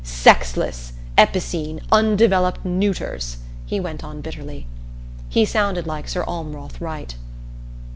"Sexless, epicene, undeveloped neuters!" he went on bitterly. He sounded like Sir Almwroth Wright.